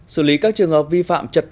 xử lý các trường hợp vi phạm chật chặt